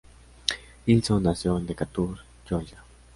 Hilson nació en Decatur, Georgia.